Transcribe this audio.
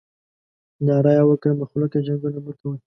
ناره یې وکړه مخلوقه جنګونه مه کوئ.